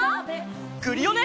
クリオネ！